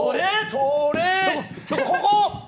それ、ここ。